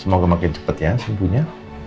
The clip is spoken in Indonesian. semoga makin cepat ya subuhnya